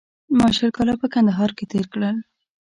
ما شل کاله په کندهار کې تېر کړل